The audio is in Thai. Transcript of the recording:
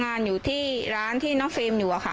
ความปลอดภัยของนายอภิรักษ์และครอบครัวด้วยซ้ำ